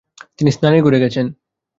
তিনি স্নানের ঘরে গেছেন।